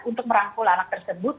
untuk merangkul anak tersebut